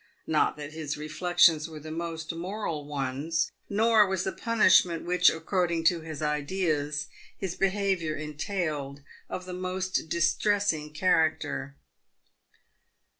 Not that his reflections were the most moral ones, nor was the punishment which, according to his ideas, his behaviour entailed, of the most distressing character.